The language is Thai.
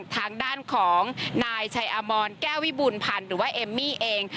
ทางด้านของนายชัยอมรแก้ววิบูรพันธ์หรือว่าเอมมี่เอง